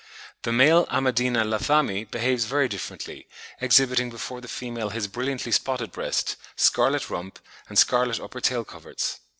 The male Amadina Lathami behaves very differently, exhibiting before the female his brilliantly spotted breast, scarlet rump, and scarlet upper tail coverts.